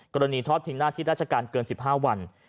ทอดทิ้งหน้าที่ราชการเกิน๑๕วัน